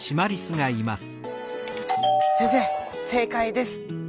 「先生正かいです」。